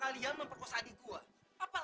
kalian pasti gak bakal nol